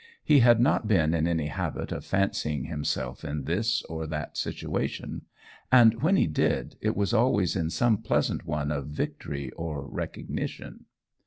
He had not been in any habit of fancying himself in this or that situation and when he did, it was always in some pleasant one of victory or recognition.